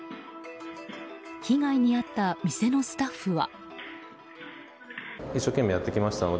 被害に遭った店のスタッフは。